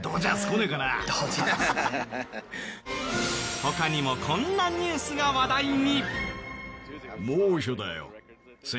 他にもこんなニュースが話題に。